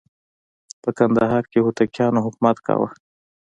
په کندهار کې هوتکیانو حکومت کاوه.